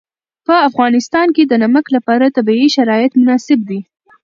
په افغانستان کې د نمک لپاره طبیعي شرایط مناسب دي.